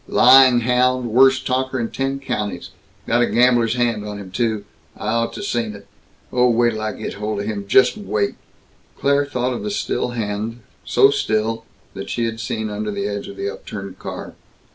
Lying hound worst talker in ten counties! Got a gambler's hand on him, too I ought to seen it! Oh, wait till I get hold of him; just wait!" Claire thought of the still hand so still that she had seen under the edge of the upturned car.